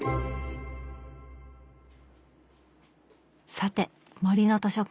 さて「森の図書館」